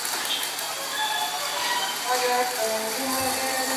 La exposición muestra un momento de audacia en el arte.